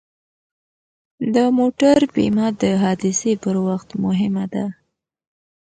د موټر بیمه د حادثې پر وخت مهمه ده.